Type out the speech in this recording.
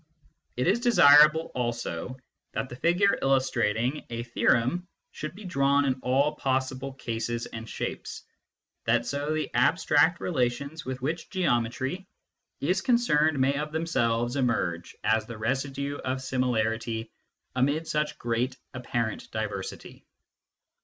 It is desirable also that the figure illustrating a theorem should be drawn in all possible cases and shapes, that so the abstract relations with which geometry is concerned may of themselves THE STUDY OF MATHEMATICS 63 emerge as the residue of similarity amid such great apparent diversity.